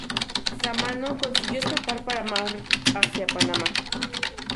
Sámano consiguió escapar por mar hacia Panamá.